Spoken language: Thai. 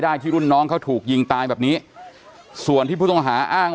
ที่รุ่นน้องเขาถูกยิงตายแบบนี้ส่วนที่ผู้ต้องหาอ้าง